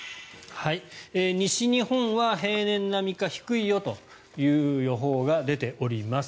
西日本は平年並みか低いよという予報が出ております。